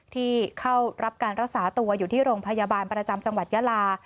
ที่เข้ารับการรักษาตัวอยู่ที่โรงพยาบาลประจำจังหวัดยาลา